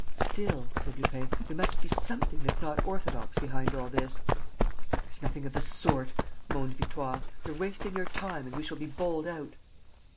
"Still," said Lupin, "there must be something that's not orthodox behind all this." "There's nothing of the sort," moaned Victoire. "You're wasting your time and we shall be bowled out."